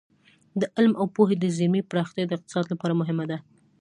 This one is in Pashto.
د علم او پوهې د زېرمې پراختیا د اقتصاد لپاره مهمه ده.